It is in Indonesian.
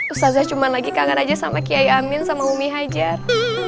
ustazah cuma lagi kangen aja sama kiai amin sama umi hajar